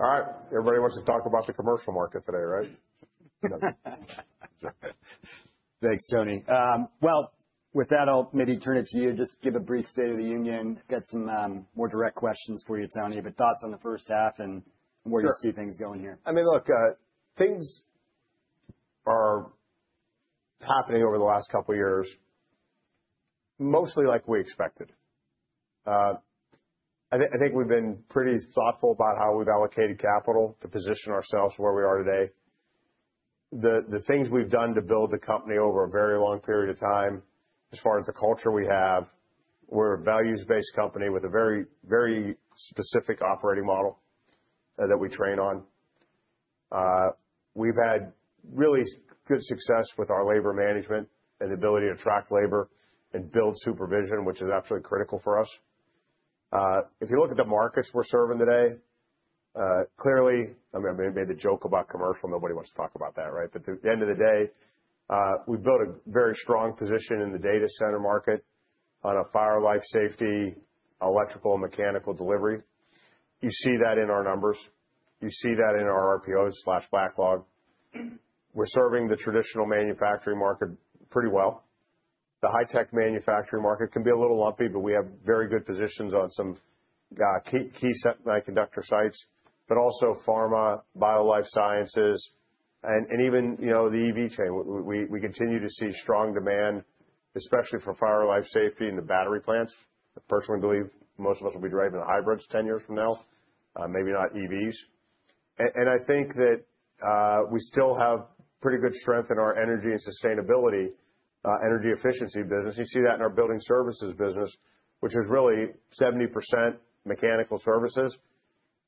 All right. Everybody wants to talk about the commercial market today, right? Thanks, Tony. Well, with that, I'll maybe turn it to you. Just give a brief State of the Union. Got some more direct questions for you, Tony, but thoughts on the first half and where you see things going here. I mean, look, things are happening over the last couple of years, mostly like we expected. I think we've been pretty thoughtful about how we've allocated capital to position ourselves where we are today. The things we've done to build the company over a very long period of time, as far as the culture we have, we're a values-based company with a very, very specific operating model that we train on. We've had really good success with our labor management and the ability to attract labor and build supervision, which is absolutely critical for us. If you look at the markets we're serving today, clearly, I made the joke about commercial. Nobody wants to talk about that, right? But at the end of the day, we built a very strong position in the data center market on fire life safety, electrical, and mechanical delivery. You see that in our numbers. You see that in our RPOs/backlog. We're serving the traditional manufacturing market pretty well. The high-tech manufacturing market can be a little lumpy, but we have very good positions on some key semiconductor sites, but also pharma, bio/life sciences, and even the EV chain. We continue to see strong demand, especially for fire life safety, and the battery plants. The first one I believe most of us will be driving the hybrids 10 years from now, maybe not EVs. And I think that we still have pretty good strength in our energy and sustainability, energy efficiency business. You see that in our building services business, which is really 70% mechanical services,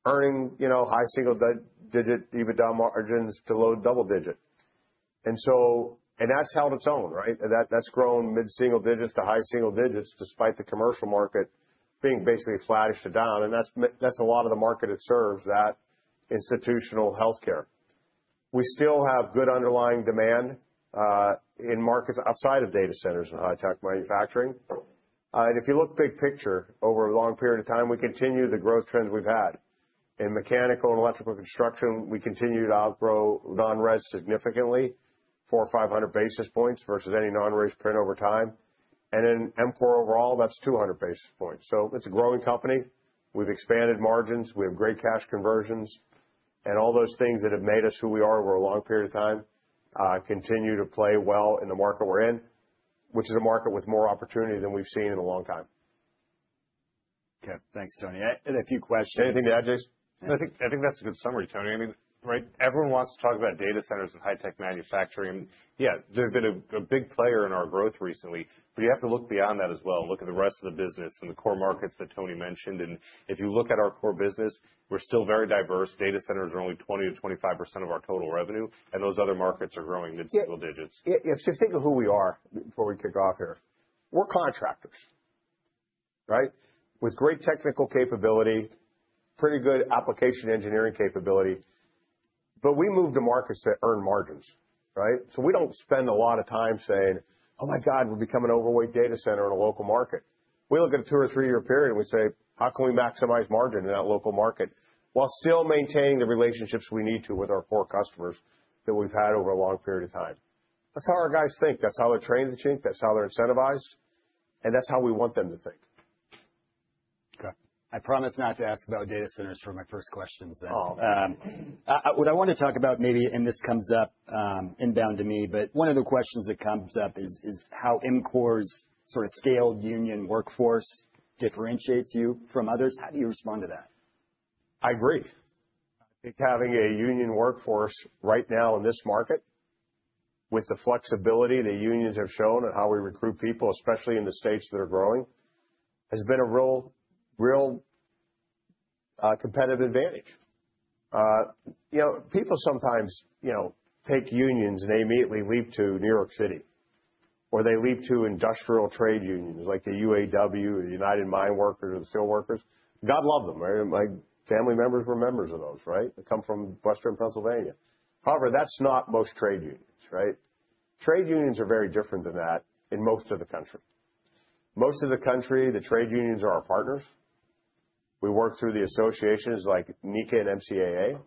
earning high single-digit EBITDA margins to low double-digit. And that's held its own, right? That's grown mid-single digits to high single digits, despite the commercial market being basically flattish to down. That's a lot of the market it serves, that institutional healthcare. We still have good underlying demand in markets outside of data centers and high-tech manufacturing. If you look big picture over a long period of time, we continue the growth trends we've had. In mechanical and electrical construction, we continue to outgrow non-res significantly, 400-500 basis points versus any non-res print over time. In EMCOR overall, that's 200 basis points. It's a growing company. We've expanded margins. We have great cash conversions. All those things that have made us who we are over a long period of time continue to play well in the market we're in, which is a market with more opportunity than we've seen in a long time. Okay, thanks, Tony. I had a few questions. Anything to add, Jason? I think that's a good summary, Tony. I mean, everyone wants to talk about data centers and high-tech manufacturing. Yeah, they've been a big player in our growth recently, but you have to look beyond that as well. Look at the rest of the business and the core markets that Tony mentioned, and if you look at our core business, we're still very diverse. Data centers are only 20%-25% of our total revenue, and those other markets are growing mid-single digits. Yeah. If you think of who we are before we kick off here, we're contractors, right? With great technical capability, pretty good application engineering capability. But we move to markets that earn margins, right? So we don't spend a lot of time saying, "Oh my God, we're becoming an overweight data center in a local market." We look at a two or three-year period and we say, "How can we maximize margin in that local market while still maintaining the relationships we need to with our core customers that we've had over a long period of time?" That's how our guys think. That's how they're trained to think. That's how they're incentivized, and that's how we want them to think. Okay. I promised not to ask about data centers for my first questions. Oh. What I want to talk about maybe, and this comes up inbound to me, but one of the questions that comes up is how EMCOR's sort of scaled union workforce differentiates you from others. How do you respond to that? I agree. I think having a union workforce right now in this market, with the flexibility the unions have shown and how we recruit people, especially in the states that are growing, has been a real competitive advantage. People sometimes take unions and they immediately leap to New York City, or they leap to industrial trade unions like the UAW, the United Mine Workers of America, or the United Steelworkers. God love them. My family members were members of those, right? They come from Western Pennsylvania. However, that's not most trade unions, right? Trade unions are very different than that in most of the country. Most of the country, the trade unions are our partners. We work through the associations like NECA and MCAA,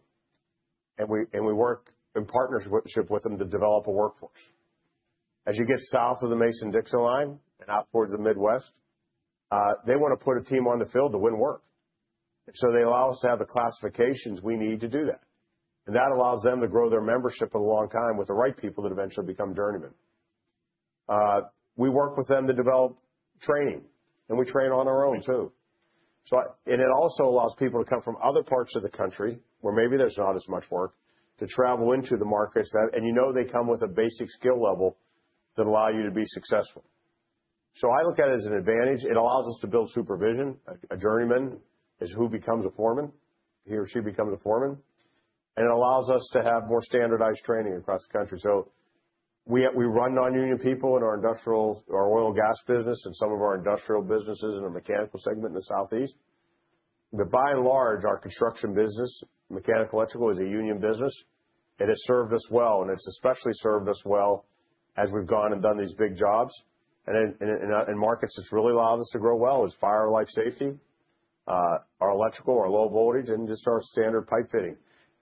and we work in partnership with them to develop a workforce. As you get south of the Mason-Dixon Line and out towards the Midwest, they want to put a team on the field to win work. And so they allow us to have the classifications we need to do that. And that allows them to grow their membership for a long time with the right people that eventually become journeyman. We work with them to develop training, and we train on our own too. And it also allows people to come from other parts of the country where maybe there's not as much work to travel into the markets, and you know they come with a basic skill level that allows you to be successful. So I look at it as an advantage. It allows us to build supervision. A journeyman is who becomes a foreman. He or she becomes a foreman. And it allows us to have more standardized training across the country. So we run non-union people in our industrial, our oil and gas business, and some of our industrial businesses in the mechanical segment in the Southeast. But by and large, our construction business, mechanical, electrical, is a union business. And it's served us well. And it's especially served us well as we've gone and done these big jobs. And in markets, it's really allowed us to grow well. It's fire life safety, our electrical, our low voltage, and just our standard pipe fitting.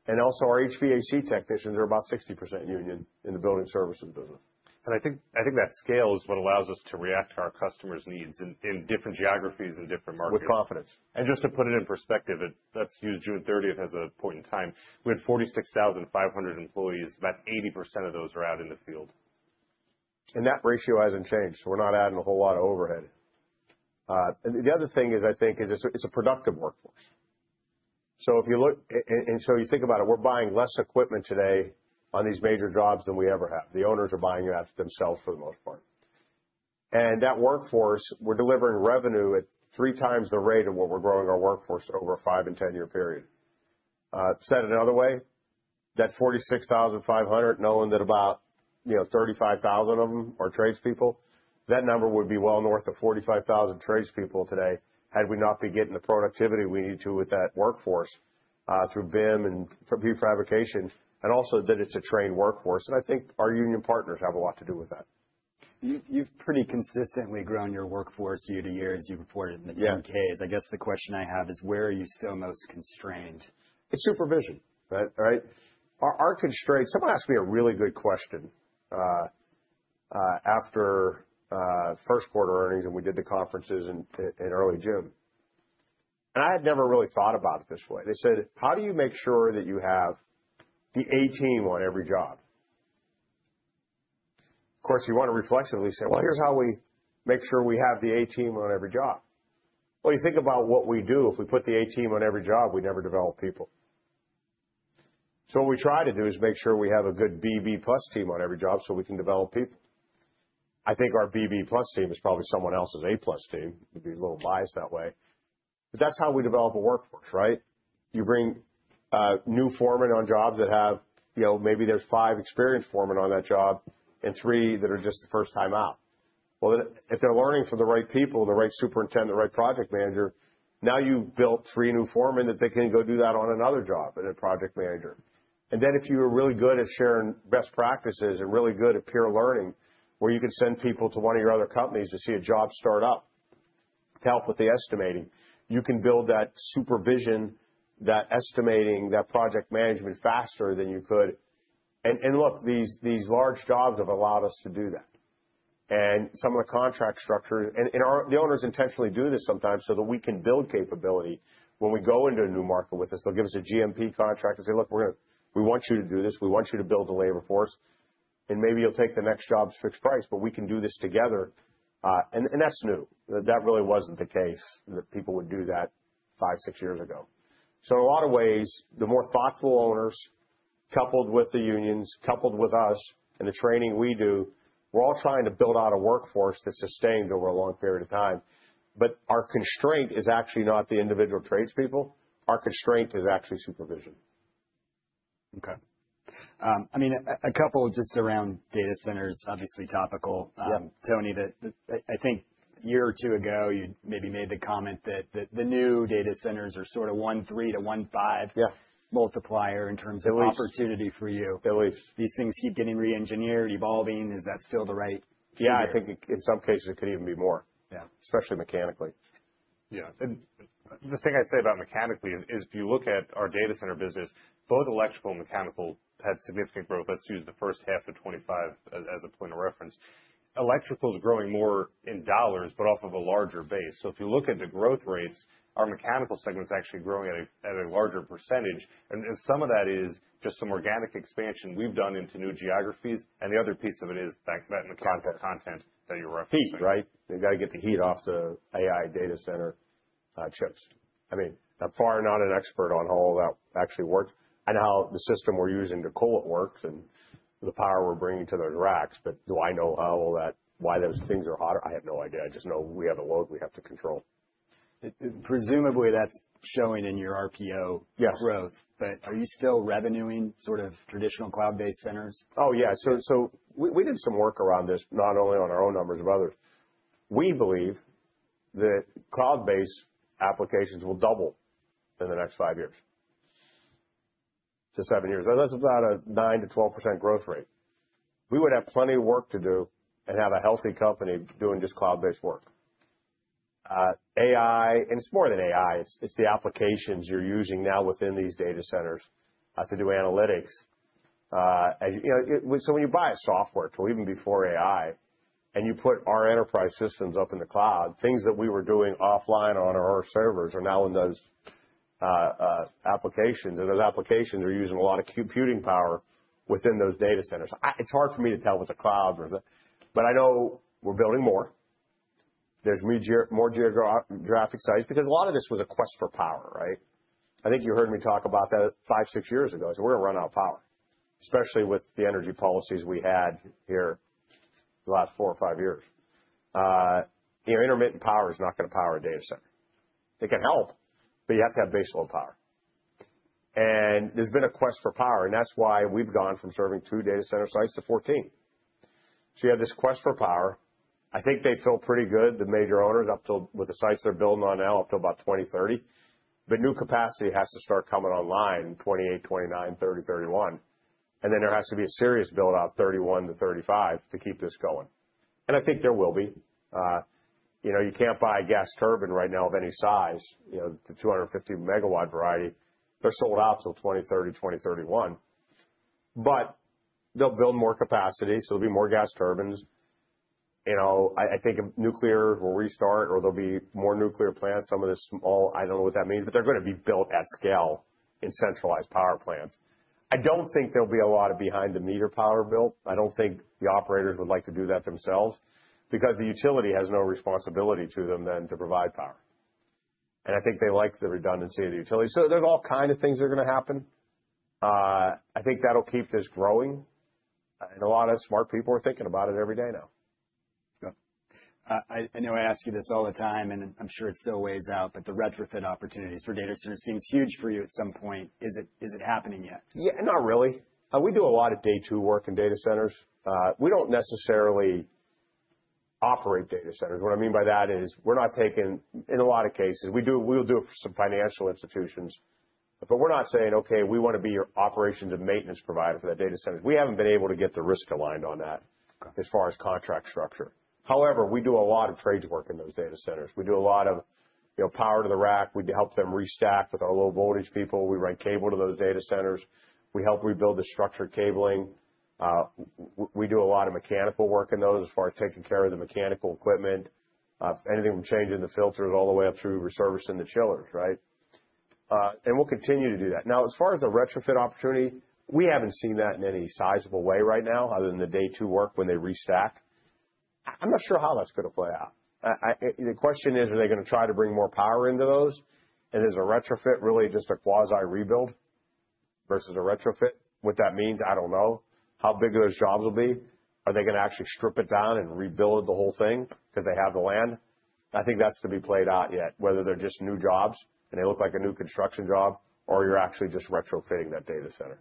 And also our HVAC technicians are about 60% union in the building services business. I think that scale is what allows us to react to our customers' needs in different geographies and different markets. With confidence. Just to put it in perspective, that's as of June 30th as a point in time. We had 46,500 employees. About 80% of those are out in the field. And that ratio hasn't changed. We're not adding a whole lot of overhead. And the other thing is, I think, is it's a productive workforce. So if you look and so you think about it, we're buying less equipment today on these major jobs than we ever have. The owners are buying it out to themselves for the most part. And that workforce, we're delivering revenue at three times the rate of what we're growing our workforce over a five and 10-year period. Said it another way, that 46,500, knowing that about 35,000 of them are tradespeople, that number would be well north of 45,000 tradespeople today had we not been getting the productivity we need to with that workforce through BIM and prefabrication, and also that it's a trained workforce. And I think our union partners have a lot to do with that. You've pretty consistently grown your workforce year to year. As you reported in the 10-Ks, I guess the question I have is, where are you still most constrained? It's supervision, right? Our constraints, someone asked me a really good question after first quarter earnings, and we did the conferences in early June, and I had never really thought about it this way. They said, "How do you make sure that you have the A team on every job?" Of course, you want to reflexively say, "Well, here's how we make sure we have the A team on every job," well, you think about what we do. If we put the A team on every job, we never develop people, so what we try to do is make sure we have a good BB plus team on every job so we can develop people. I think our BB plus team is probably someone else's A plus team. It'd be a little biased that way, but that's how we develop a workforce, right? You bring new foremen on jobs that have maybe there's five experienced foremen on that job and three that are just the first time out, well if they're learning from the right people, the right superintendent, the right project manager, now you've built three new foremen that they can go do that on another job as a project manager, and then if you are really good at sharing best practices and really good at peer learning, where you can send people to one of your other companies to see a job start up to help with the estimating, you can build that supervision, that estimating, that project management faster than you could, and look, these large jobs have allowed us to do that, and some of the contract structures, and the owners intentionally do this sometimes so that we can build capability. When we go into a new market with this, they'll give us a GMP contract and say, "Look, we want you to do this. We want you to build the labor force. And maybe you'll take the next job's fixed price, but we can do this together." And that's new. That really wasn't the case that people would do that five, six years ago. So in a lot of ways, the more thoughtful owners, coupled with the unions, coupled with us, and the training we do, we're all trying to build out a workforce that's sustained over a long period of time. But our constraint is actually not the individual tradespeople. Our constraint is actually supervision. Okay. I mean, a couple just around data centers, obviously topical. Tony, I think a year or two ago, you maybe made the comment that the new data centers are sort of 1.3-1.5 multiplier in terms of opportunity for you. At least. These things keep getting re-engineered, evolving. Is that still the right feeling? Yeah. I think in some cases, it could even be more, especially mechanically. Yeah, and the thing I'd say about mechanical is if you look at our data center business, both electrical and mechanical had significant growth. Let's use the first half of 2025 as a point of reference. Electrical is growing more in dollars, but off of a larger base. So, if you look at the growth rates, our mechanical segment is actually growing at a larger percentage. And, some of that is just some organic expansion we've done into new geographies. And, the other piece of it is that mechanical content that you're referencing. Heat, right? They've got to get the heat off the AI data center chips. I mean, I'm far from an expert on how all that actually works. I know how the system we're using to cool it works and the power we're bringing to those racks. But do I know how all that, why those things are hotter? I have no idea. I just know we have a load we have to control. Presumably, that's showing in your RPO growth. But are you still revenuing sort of traditional cloud-based centers? Oh, yeah. So we did some work around this, not only on our own numbers of others. We believe that cloud-based applications will double in the next five years to seven years. That's about a 9%-12% growth rate. We would have plenty of work to do and have a healthy company doing just cloud-based work. AI, and it's more than AI. It's the applications you're using now within these data centers to do analytics. So when you buy a software tool, even before AI, and you put our enterprise systems up in the cloud, things that we were doing offline on our servers are now in those applications. And those applications are using a lot of computing power within those data centers. It's hard for me to tell if it's a cloud or the, but I know we're building more. There's more geographic sites because a lot of this was a quest for power, right? I think you heard me talk about that five, six years ago. I said, "We're going to run out of power," especially with the energy policies we had here the last four or five years. Intermittent power is not going to power a data center. It can help, but you have to have baseload power, and there's been a quest for power, and that's why we've gone from serving two data center sites to 14, so you have this quest for power. I think they feel pretty good, the major owners, with the sites they're building on now up to about 2030, but new capacity has to start coming online in 2028, 2029, 2030, 2031, and then there has to be a serious build-out 2031 to 2035 to keep this going. I think there will be. You can't buy a gas turbine right now of any size, the 250-megawatt variety. They're sold out till 2030, 2031. But they'll build more capacity, so there'll be more gas turbines. I think nuclear will restart, or there'll be more nuclear plants. Some of this small, I don't know what that means, but they're going to be built at scale in centralized power plants. I don't think there'll be a lot of behind-the-meter power built. I don't think the operators would like to do that themselves because the utility has no responsibility to them then to provide power. And I think they like the redundancy of the utility. So there's all kinds of things that are going to happen. I think that'll keep this growing. A lot of smart people are thinking about it every day now. Yeah. I know I ask you this all the time, and I'm sure it still weighs out, but the retrofit opportunities for data centers seems huge for you at some point. Is it happening yet? Yeah, not really. We do a lot of Day 2 work in data centers. We don't necessarily operate data centers. What I mean by that is we're not taking. In a lot of cases, we will do it for some financial institutions. But we're not saying, "Okay, we want to be your operations and maintenance provider for that data center." We haven't been able to get the risk aligned on that as far as contract structure. However, we do a lot of trades work in those data centers. We do a lot of power to the rack. We help them restack with our low-voltage people. We run cable to those data centers. We help rebuild the structured cabling. We do a lot of mechanical work in those as far as taking care of the mechanical equipment, anything from changing the filters all the way up through resurfacing the chillers, right? We'll continue to do that. Now, as far as the retrofit opportunity, we haven't seen that in any sizable way right now, other than the Day 2 work when they restack. I'm not sure how that's going to play out. The question is, are they going to try to bring more power into those? And is a retrofit really just a quasi-rebuild versus a retrofit? What that means, I don't know. How big those jobs will be? Are they going to actually strip it down and rebuild the whole thing because they have the land? I think that's to be played out yet, whether they're just new jobs and they look like a new construction job, or you're actually just retrofitting that data center.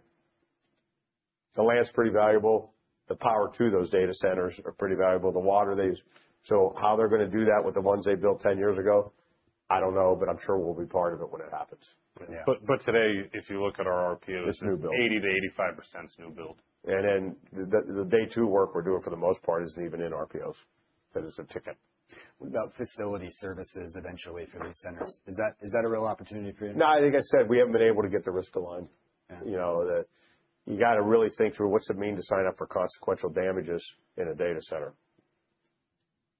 The land's pretty valuable. The power to those data centers is pretty valuable. The water they use, so how they're going to do that with the ones they built 10 years ago, I don't know, but I'm sure we'll be part of it when it happens. Today, if you look at our RPOs, 80%-85% is new build. The Day 2 work we're doing for the most part isn't even in RPOs because it's a ticket. What about facility services eventually for these centers? Is that a real opportunity for you? No, I think I said we haven't been able to get the risk aligned. You got to really think through what's it mean to sign up for consequential damages in a data center,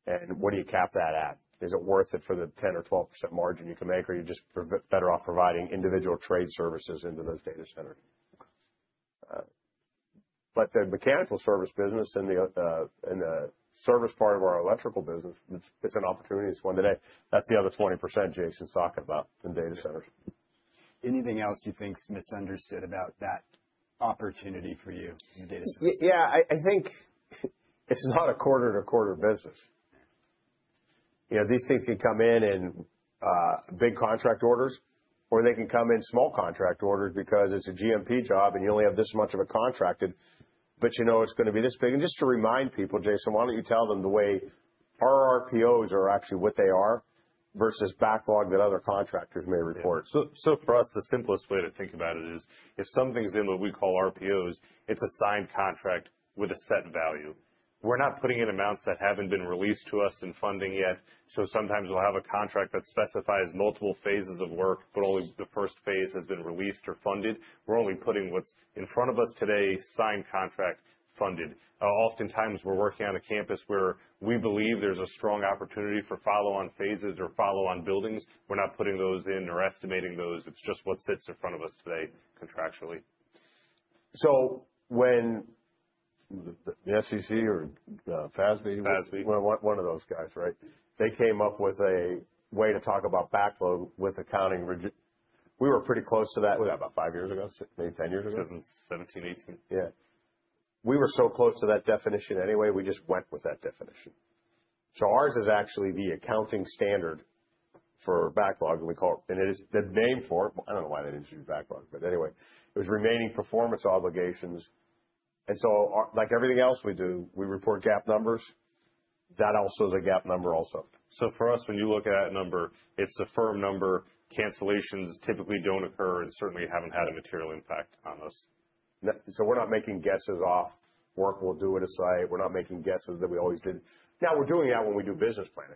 and what do you cap that at? Is it worth it for the 10 or 12% margin you can make, or are you just better off providing individual trade services into those data centers, but the mechanical service business and the service part of our electrical business, it's an opportunity. It's one today. That's the other 20% Jason's talking about in data centers. Anything else you think's misunderstood about that opportunity for you in the data centers? Yeah. I think it's not a quarter-to-quarter business. These things can come in big contract orders, or they can come in small contract orders because it's a GMP job and you only have this much of a contract, but you know it's going to be this big. And just to remind people, Jason, why don't you tell them the way our RPOs are actually what they are versus backlog that other contractors may report? So for us, the simplest way to think about it is if something's in what we call RPOs, it's a signed contract with a set value. We're not putting in amounts that haven't been released to us in funding yet. So sometimes we'll have a contract that specifies multiple phases of work, but only the first phase has been released or funded. We're only putting what's in front of us today, signed contract, funded. Oftentimes, we're working on a campus where we believe there's a strong opportunity for follow-on phases or follow-on buildings. We're not putting those in or estimating those. It's just what sits in front of us today contractually. So when the SEC or FASB FASB. One of those guys, right? They came up with a way to talk about backlog with accounting. We were pretty close to that about five years ago, maybe 10 years ago. 2017, '18. Yeah. We were so close to that definition anyway. We just went with that definition. So ours is actually the accounting standard for backlog, and we call it, and it is the name for it. I don't know why they didn't choose backlog, but anyway, it was remaining performance obligations, and so like everything else we do, we report GAAP numbers. That also is a GAAP number also. For us, when you look at that number, it's a firm number. Cancellations typically don't occur and certainly haven't had a material impact on us. We're not making guesses off work we'll do at a site. We're not making guesses that we always did. Now we're doing that when we do business planning,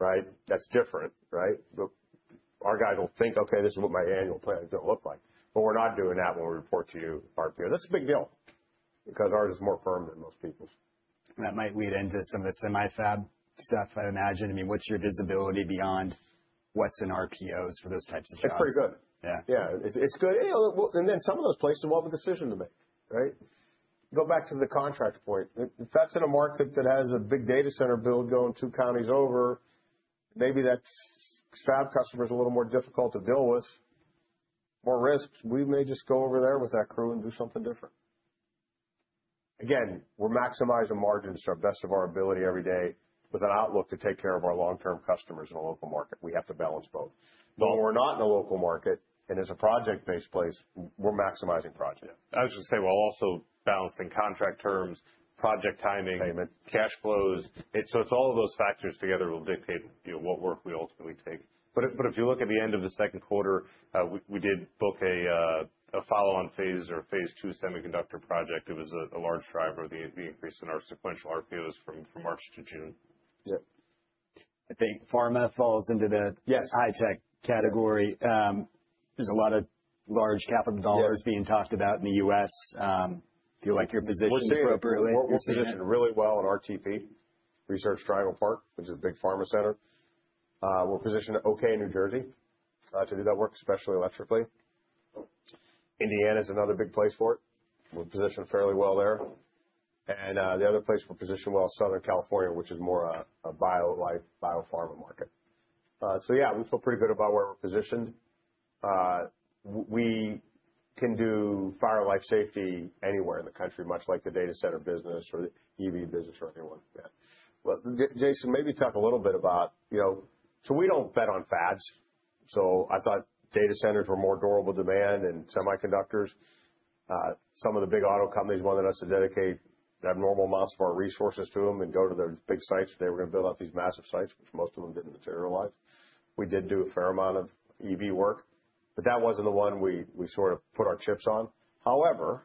right? That's different, right? Our guys will think, "Okay, this is what my annual plan is going to look like." But we're not doing that when we report to you RPO. That's a big deal because ours is more firm than most people's. That might lead into some of the semi-fab stuff, I imagine. I mean, what's your visibility beyond what's in RPOs for those types of jobs? It's pretty good. Yeah. It's good, and then some of those places will have a decision to make, right? Go back to the contract point. If that's in a market that has a big data center build going two counties over, maybe that's fab customers a little more difficult to deal with, more risks. We may just go over there with that crew and do something different. Again, we're maximizing margins to the best of our ability every day with an outlook to take care of our long-term customers in a local market. We have to balance both. When we're not in a local market and it's a project-based place, we're maximizing projects. I was going to say, while also balancing contract terms, project timing, cash flows. So it's all of those factors together will dictate what work we ultimately take. But if you look at the end of the second quarter, we did book a follow-on phase or phase two semiconductor project. It was a large driver of the increase in our sequential RPOs from March to June. Yep. I think pharma falls into the high-tech category. There's a lot of large capital dollars being talked about in the U.S. Do you like your position appropriately? We're positioned really well at RTP, Research Triangle Park, which is a big pharma center. We're positioned okay in New Jersey to do that work, especially electrically. Indiana is another big place for it. We're positioned fairly well there. The other place we're positioned well is Southern California, which is more a biopharma market. So yeah, we feel pretty good about where we're positioned. We can do fire life safety anywhere in the country, much like the data center business or the EV business or anyone. Yeah. Well, Jason, maybe talk a little bit about so we don't bet on fads. I thought data centers were more durable demand and semiconductors. Some of the big auto companies wanted us to dedicate abnormal amounts of our resources to them and go to those big sites where they were going to build out these massive sites, which most of them didn't materialize. We did do a fair amount of EV work, but that wasn't the one we sort of put our chips on. However,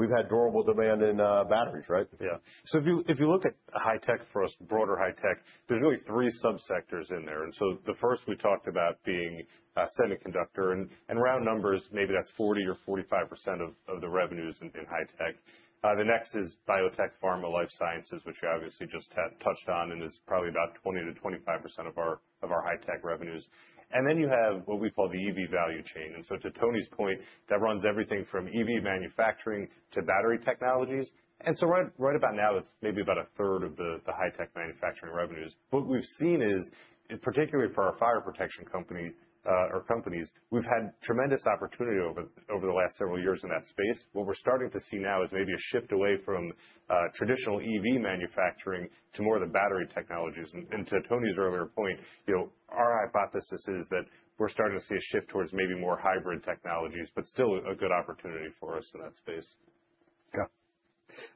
we've had durable demand in batteries, right? Yeah. So if you look at high-tech for us, broader high-tech, there's really three subsectors in there. And so the first we talked about being semiconductor. And round numbers, maybe that's 40% or 45% of the revenues in high-tech. The next is biotech, pharma, life sciences, which you obviously just touched on and is probably about 20%-25% of our high-tech revenues. And then you have what we call the EV value chain. And so to Tony's point, that runs everything from EV manufacturing to battery technologies. And so right about now, it's maybe about a third of the high-tech manufacturing revenues. What we've seen is, particularly for our fire protection companies, we've had tremendous opportunity over the last several years in that space. What we're starting to see now is maybe a shift away from traditional EV manufacturing to more of the battery technologies. To Tony's earlier point, our hypothesis is that we're starting to see a shift towards maybe more hybrid technologies, but still a good opportunity for us in that space. Yeah.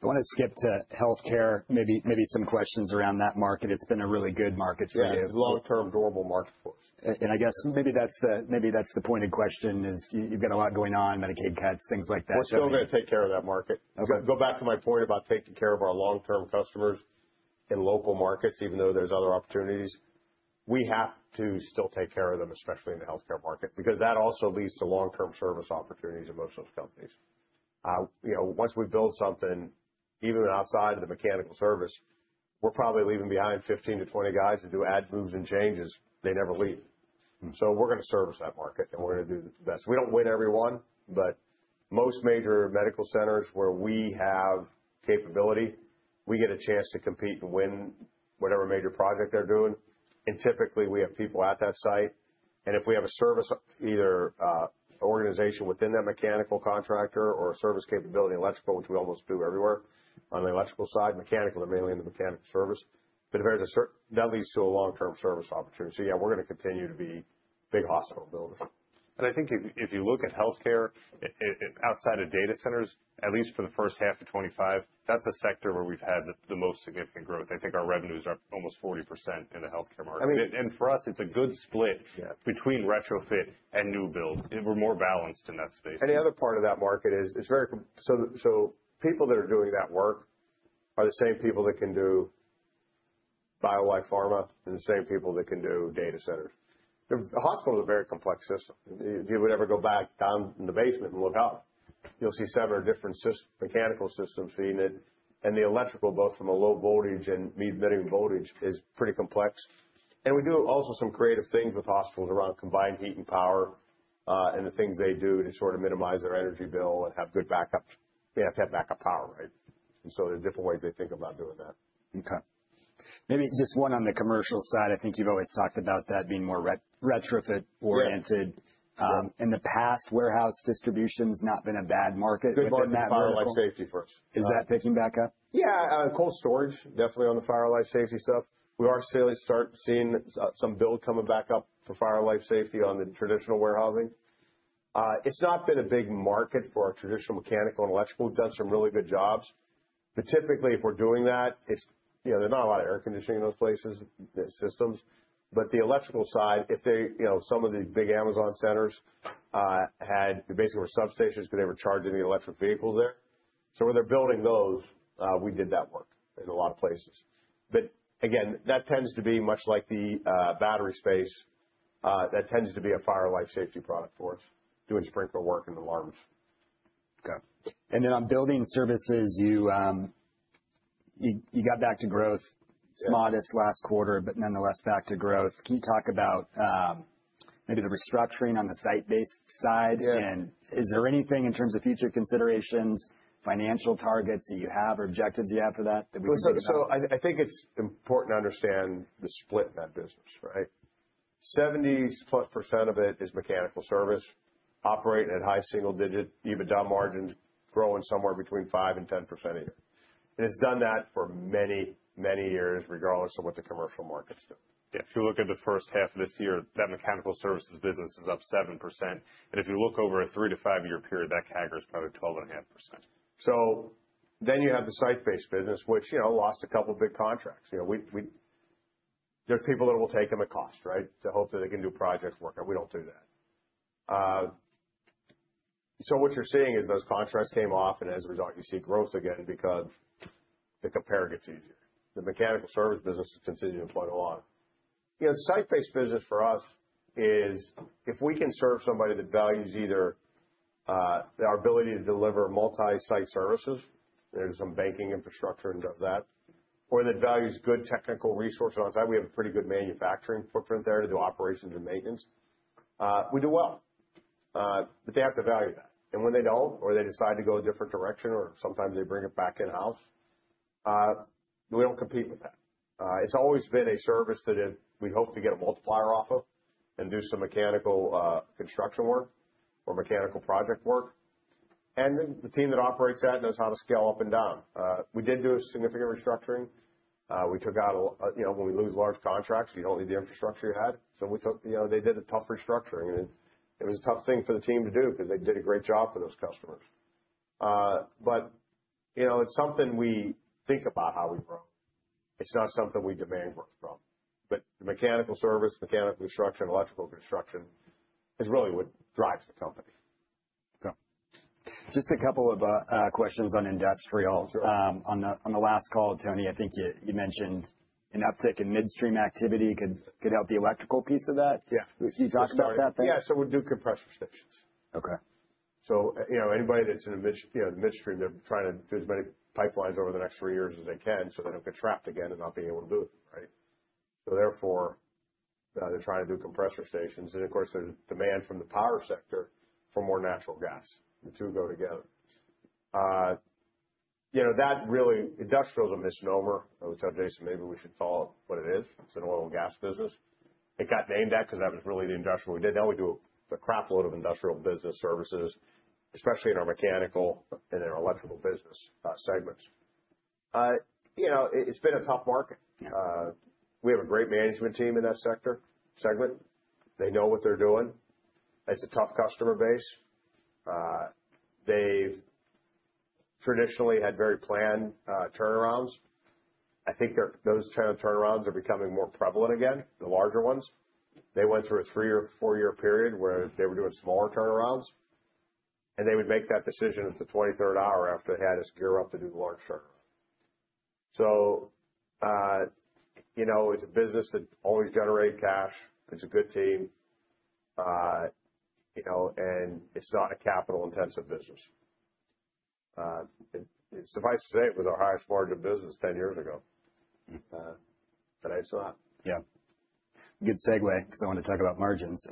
I want to skip to healthcare, maybe some questions around that market. It's been a really good market for you. Yeah, long-term durable market for us. And I guess maybe that's the pointed question: you've got a lot going on, Medicaid cuts, things like that. We're still going to take care of that market. Go back to my point about taking care of our long-term customers in local markets, even though there's other opportunities. We have to still take care of them, especially in the healthcare market, because that also leads to long-term service opportunities in most of those companies. Once we build something, even outside of the mechanical service, we're probably leaving behind 15 to 20 guys to do adds, moves, and changes. They never leave. So we're going to service that market, and we're going to do the best. We don't win everyone, but most major medical centers where we have capability, we get a chance to compete and win whatever major project they're doing, and typically, we have people at that site. And if we have a service, either an organization within that mechanical contractor or a service capability, electrical, which we almost do everywhere on the electrical side. Mechanical, they're mainly in the mechanical service. But if there's a certain, that leads to a long-term service opportunity. So yeah, we're going to continue to be big hospital builders. And I think if you look at healthcare outside of data centers, at least for the first half of 2025, that's a sector where we've had the most significant growth. I think our revenues are almost 40% in the healthcare market. And for us, it's a good split between retrofit and new build. We're more balanced in that space. And the other part of that market is it's very—so people that are doing that work are the same people that can do biopharma and the same people that can do data centers. The hospital is a very complex system. If you would ever go back down in the basement and look up, you'll see seven different mechanical systems being in it. And the electrical, both from a low voltage and medium voltage, is pretty complex. And we do also some creative things with hospitals around combined heat and power and the things they do to sort of minimize their energy bill and have good backup. They have to have backup power, right? And so there's different ways they think about doing that. Okay. Maybe just one on the commercial side. I think you've always talked about that being more retrofit oriented. In the past, warehouse distribution has not been a bad market. They brought in fire life safety first. Is that picking back up? Yeah. Cold storage, definitely on the fire life safety stuff. We are starting to see some build coming back up for fire life safety on the traditional warehousing. It's not been a big market for our traditional mechanical and electrical. We've done some really good jobs, but typically, if we're doing that, there's not a lot of air conditioning in those places, systems, but the electrical side, if some of the big Amazon centers had, they basically were substations because they were charging the electric vehicles there, so when they're building those, we did that work in a lot of places, but again, that tends to be much like the battery space. That tends to be a fire life safety product for us, doing sprinkler work and alarms. Okay. And then on building services, you got back to growth, modest last quarter, but nonetheless back to growth. Can you talk about maybe the restructuring on the site-based side? And is there anything in terms of future considerations, financial targets that you have or objectives you have for that that we can look at? So I think it's important to understand the split in that business, right? 70-plus% of it is mechanical service, operating at high single-digit, even low margins growing somewhere between 5%-10% a year, and it's done that for many, many years, regardless of what the commercial markets do. Yeah. If you look at the first half of this year, that mechanical services business is up 7%. And if you look over a three to five-year period, that CAGR is probably 12.5%. So then you have the site-based business, which lost a couple of big contracts. There's people that will take them at cost, right, to hope that they can do project work. We don't do that. So what you're seeing is those contracts came off, and as a result, you see growth again because the compare gets easier. The mechanical service business is continuing to play along. The site-based business for us is if we can serve somebody that values either our ability to deliver multi-site services, there's some banking infrastructure and does that, or that values good technical resources on site. We have a pretty good manufacturing footprint there to do operations and maintenance. We do well. But they have to value that. And when they don't, or they decide to go a different direction, or sometimes they bring it back in-house, we don't compete with that. It's always been a service that we hope to get a multiplier off of and do some mechanical construction work or mechanical project work. And the team that operates that knows how to scale up and down. We did do a significant restructuring. We took out a lot when we lose large contracts, you don't need the infrastructure you had. So they did a tough restructuring. And it was a tough thing for the team to do because they did a great job for those customers. But it's something we think about how we grow. It's not something we demand growth from. But the mechanical service, mechanical construction, electrical construction is really what drives the company. Okay. Just a couple of questions on industrial. On the last call, Tony, I think you mentioned an uptick in midstream activity could help the electrical piece of that. Can you talk about that then? Yeah. So we do compressor stations. So anybody that's in the midstream, they're trying to do as many pipelines over the next three years as they can so they don't get trapped again and not be able to do it, right? So therefore, they're trying to do compressor stations. And of course, there's demand from the power sector for more natural gas. The two go together. That really industrial is a misnomer. I would tell Jason maybe we should call it what it is. It's an oil and gas business. It got named that because that was really the industrial we did. Now we do a crapload of industrial business services, especially in our mechanical and in our electrical business segments. It's been a tough market. We have a great management team in that sector segment. They know what they're doing. It's a tough customer base. They've traditionally had very planned turnarounds. I think those kind of turnarounds are becoming more prevalent again, the larger ones. They went through a three- or four-year period where they were doing smaller turnarounds. And they would make that decision at the eleventh hour after they had to gear up to do the large turnaround. So it's a business that always generates cash. It's a good team. And it's not a capital-intensive business. Suffice it to say it was our highest margin business 10 years ago. Today, it's not. Yeah. Good segue because I want to talk about margins.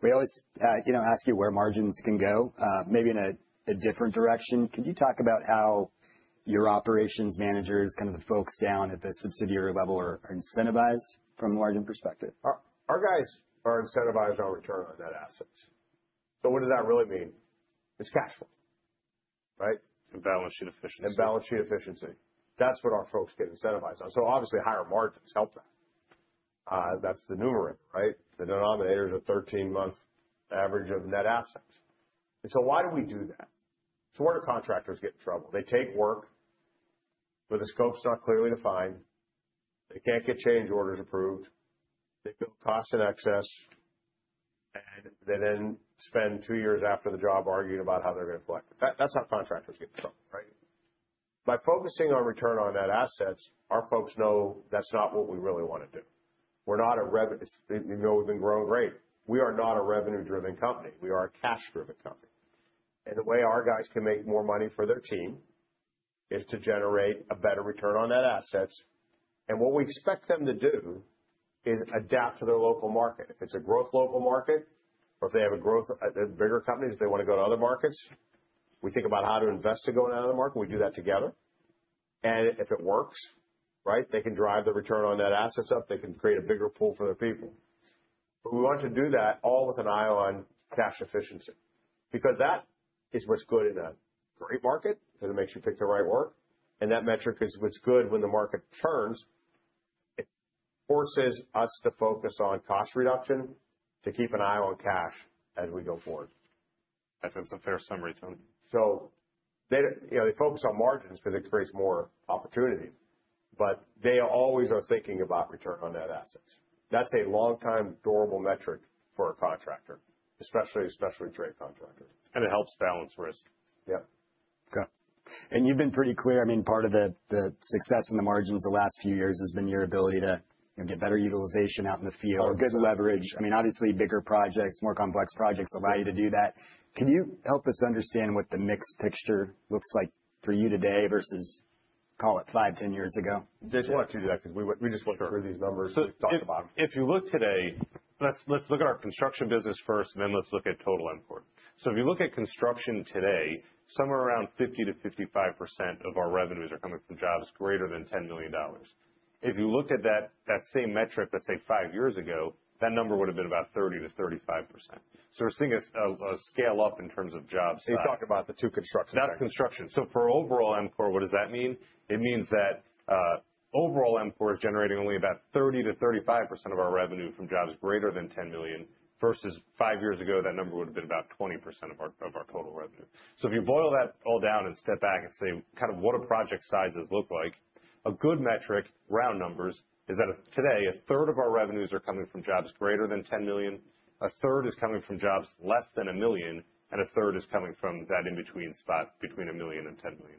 We always ask you where margins can go, maybe in a different direction. Can you talk about how your operations managers, kind of the folks down at the subsidiary level, are incentivized from a margin perspective? Our guys are incentivized on return on that asset. So what does that really mean? It's cash flow, right? And balance sheet efficiency. And balance sheet efficiency. That's what our folks get incentivized on. So obviously, higher margins help that. That's the numerator, right? The denominator is a 13-month average of net assets. And so why do we do that? It's where the contractors get in trouble. They take work where the scope's not clearly defined. They can't get change orders approved. They build costs in excess. And they then spend two years after the job arguing about how they're going to collect it. That's how contractors get in trouble, right? By focusing on return on that asset, our folks know that's not what we really want to do. We're not a revenue—we've been growing great. We are not a revenue-driven company. We are a cash-driven company. And the way our guys can make more money for their team is to generate a better return on that asset. What we expect them to do is adapt to their local market. If it's a growth local market, or if they have a growth, the bigger companies, if they want to go to other markets, we think about how to invest to go to another market. We do that together. And if it works, right, they can drive the return on that asset up. They can create a bigger pool for their people. But we want to do that all with an eye on cash efficiency. Because that is what's good in a great market because it makes you pick the right work. And that metric is what's good when the market turns. It forces us to focus on cost reduction to keep an eye on cash as we go forward. That's a fair summary, Tony. So they focus on margins because it creates more opportunity. But they always are thinking about return on that asset. That's a long-time durable metric for a contractor, especially a specialty trade contractor. It helps balance risk. Yep. Okay. And you've been pretty clear. I mean, part of the success in the margins the last few years has been your ability to get better utilization out in the field, get leverage. I mean, obviously, bigger projects, more complex projects allow you to do that. Can you help us understand what the mixed picture looks like for you today versus, call it, five, 10 years ago? Just want to do that because we just went through these numbers and talked about them. If you look today, let's look at our construction business first, and then let's look at total EMCOR. So if you look at construction today, somewhere around 50%-55% of our revenues are coming from jobs greater than $10 million. If you look at that same metric that, say, five years ago, that number would have been about 30%-35%. So we're seeing a scale up in terms of job size. Are you talking about the two construction sites? That's construction. So for overall EMCOR, what does that mean? It means that overall EMCOR is generating only about 30%-35% of our revenue from jobs greater than $10 million versus five years ago, that number would have been about 20% of our total revenue. So if you boil that all down and step back and say kind of what a project size does look like, a good metric, round numbers, is that today a third of our revenues are coming from jobs greater than $10 million, a third is coming from jobs less than $1 million, and a third is coming from that in-between spot between $1 million and $10 million.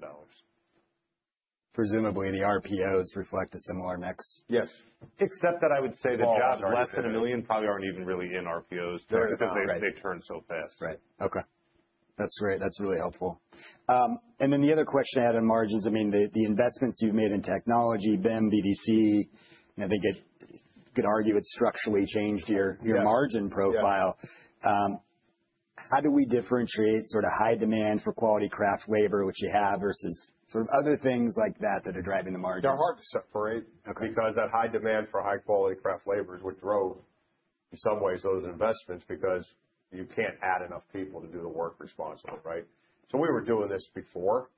Presumably, the RPOs reflect a similar mix. Yes. Except that I would say that jobs less than a million probably aren't even really in RPOs because they turn so fast. Right. Okay. That's great. That's really helpful. And then the other question I had on margins, I mean, the investments you've made in technology, BIM, VDC, I think you could argue it's structurally changed your margin profile. How do we differentiate sort of high demand for quality craft labor, which you have, versus sort of other things like that that are driving the margins? They're hard to separate because that high demand for high-quality craft labor is what drove in some ways those investments because you can't add enough people to do the work responsibly, right? So we were doing this before.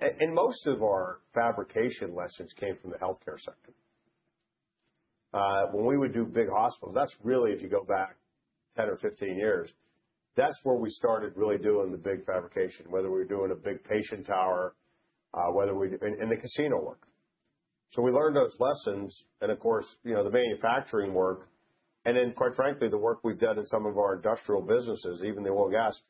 And most of our fabrication lessons came from the healthcare sector. When we would do big hospitals, that's really, if you go back 10 or 15 years, that's where we started really doing the big fabrication, whether we were doing a big patient tower, whether we—and the casino work. So we learned those lessons. And of course, the manufacturing work. And then, quite frankly, the work we've done in some of our industrial businesses, even the oil and gas,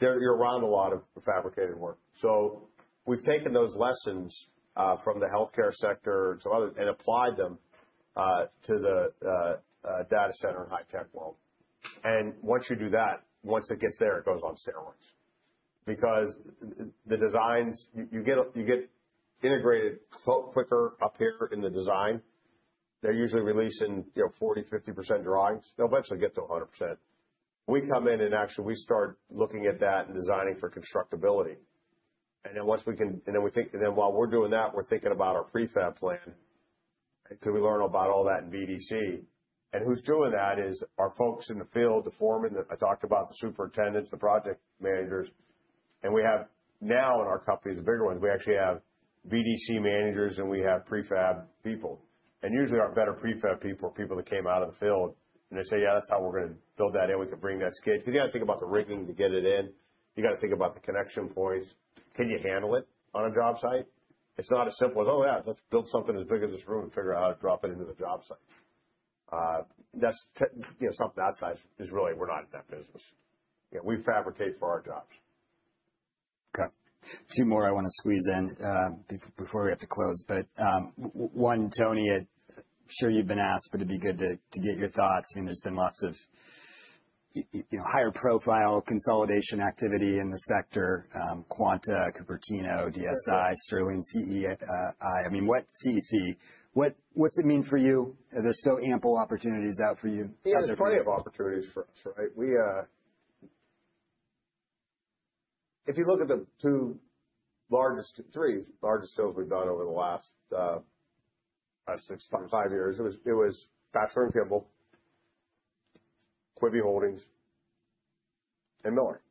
you're around a lot of fabricated work. So we've taken those lessons from the healthcare sector and applied them to the data center and high-tech world. And once you do that, once it gets there, it goes on steroids. Because the designs, you get integrated quicker up here in the design. They're usually releasing 40%-50% drawings. They'll eventually get to 100%. We come in and actually we start looking at that and designing for constructability. And then once we can, while we're doing that, we're thinking about our prefab plan. And could we learn about all that in VDC? And who's doing that is our folks in the field, the foreman. I talked about the superintendents, the project managers. And we have now in our companies, the bigger ones, we actually have VDC managers and we have prefab people. And usually our better prefab people are people that came out of the field. And they say, "Yeah, that's how we're going to build that in. We can bring that skid." Because you got to think about the rigging to get it in. You got to think about the connection points. Can you handle it on a job site? It's not as simple as, "Oh, yeah, let's build something as big as this room and figure out how to drop it into the job site." That's something that size is really, we're not in that business. We fabricate for our jobs. Okay. Two more I want to squeeze in before we have to close. But one, Tony, I'm sure you've been asked, but it'd be good to get your thoughts. I mean, there's been lots of higher profile consolidation activity in the sector: Quanta, Cupertino Electric, DSI, Sterling Infrastructure, Cupertino Electric (CEC). I mean, CEC, what's it mean for you? Are there still ample opportunities out for you? Yeah, there's plenty of opportunities for us, right? If you look at the two largest, three largest deals we've done over the last five, six, five years, it was Batchelor & Kimball, Quebe Holdings, and Miller.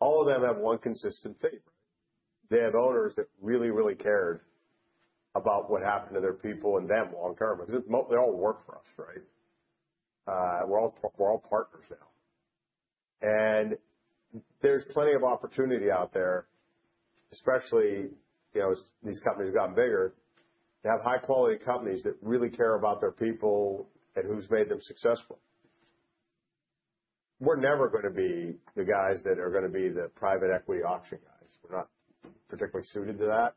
All of them have one consistency. They have owners that really, really cared about what happened to their people and them long-term because they all work for us, right? We're all partners now. And there's plenty of opportunity out there, especially as these companies have gotten bigger, to have high-quality companies that really care about their people and who's made them successful. We're never going to be the guys that are going to be the private equity auction guys. We're not particularly suited to that.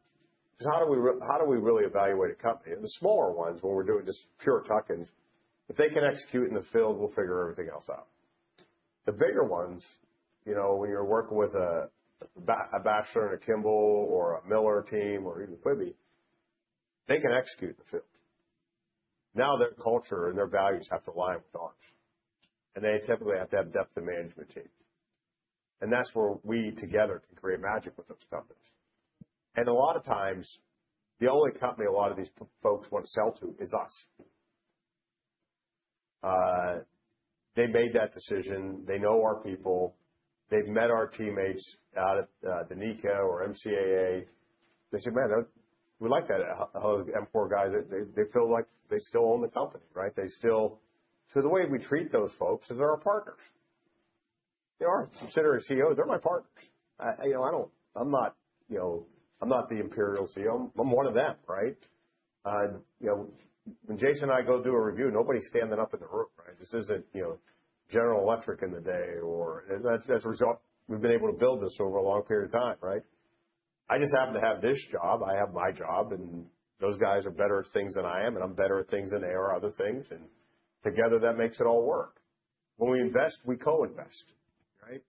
Because how do we really evaluate a company? And the smaller ones, when we're doing just pure tuck-ins, if they can execute in the field, we'll figure everything else out. The bigger ones, when you're working with a Batchelor & Kimball or a Miller team or even Quebe, they can execute in the field. Now their culture and their values have to align with ours. And they typically have to have depth of management team. And that's where we together can create magic with those companies. And a lot of times, the only company a lot of these folks want to sell to is us. They made that decision. They know our people. They've met our teammates out at the NECA or MCAA. They say, "Man, we like that EMCOR guy. They feel like they still own the company, right?" So the way we treat those folks is they're our partners. They are considered CEOs. They're my partners. I'm not the imperial CEO. I'm one of them, right? When Jason and I go do a review, nobody's standing up in the room, right? This isn't General Electric in its day or as a result, we've been able to build this over a long period of time, right? I just happen to have this job. I have my job. And those guys are better at things than I am. And I'm better at things than they are at other things. And together, that makes it all work. When we invest, we co-invest, right?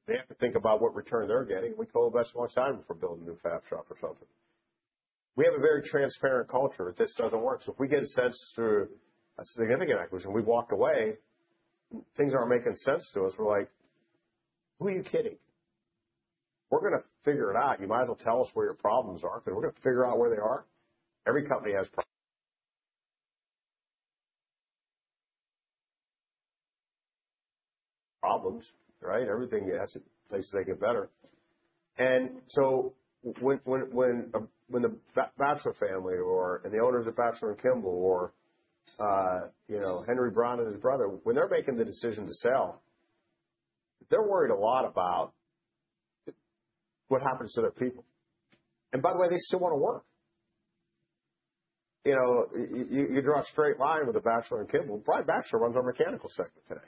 They have to think about what return they're getting. And we co-invest a lot of time for building a new fab shop or something. We have a very transparent culture that this doesn't work. So if we get a sense through a significant acquisition, we walk away. Things aren't making sense to us. We're like, "Who are you kidding? We're going to figure it out. You might as well tell us where your problems are because we're going to figure out where they are." Every company has problems, right? Everything has a place to make it better. And so when the Batchelor family or the owners of Batchelor and Kimball or Henry Brown and his brother, when they're making the decision to sell, they're worried a lot about what happens to their people. And by the way, they still want to work. You draw a straight line with the Batchelor and Kimball. Probably Batchelor runs our mechanical segment today,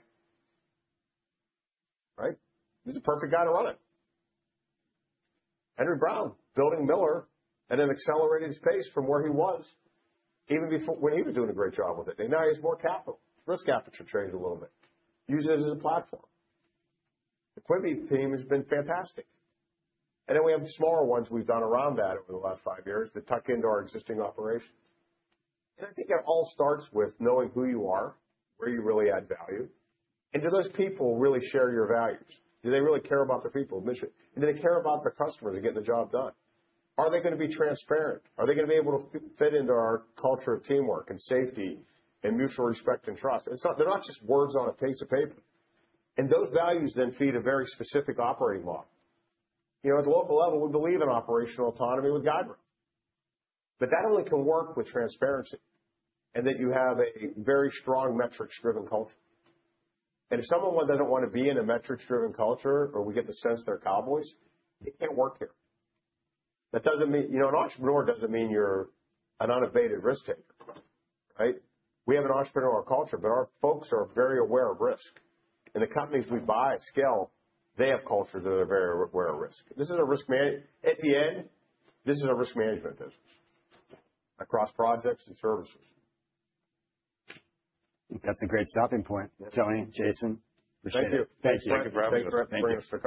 right? He's a perfect guy to run it. Henry Brown building Miller at an accelerated pace from where he was even before when he was doing a great job with it. And now he has more capital. Risk appetite changed a little bit. Uses it as a platform. The Quebe team has been fantastic. And then we have smaller ones we've done around that over the last five years that tuck into our existing operations. And I think it all starts with knowing who you are, where you really add value. And do those people really share your values? Do they really care about their people's mission? And do they care about their customers and getting the job done? Are they going to be transparent? Are they going to be able to fit into our culture of teamwork and safety and mutual respect and trust? They're not just words on a piece of paper. And those values then feed a very specific operating model. At the local level, we believe in operational autonomy with guidance. But that only can work with transparency and that you have a very strong metrics-driven culture. And if someone doesn't want to be in a metrics-driven culture or we get the sense they're cowboys, they can't work here. That doesn't mean an entrepreneur doesn't mean you're an unabated risk taker, right? We have an entrepreneurial culture, but our folks are very aware of risk. And the companies we buy at scale, they have cultures that are very aware of risk. This is a risk management. At the end, this is a risk management business across projects and services. That's a great stopping point, Tony, Jason. Appreciate it. Thank you. Thank you for having me. Thank you.